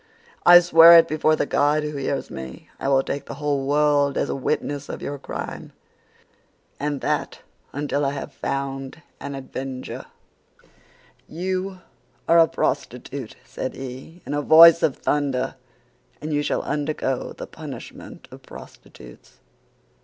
"'I swear it before the God who hears me. I will take the whole world as a witness of your crime, and that until I have found an avenger.' "'You are a prostitute,' said he, in a voice of thunder, 'and you shall undergo the punishment of prostitutes!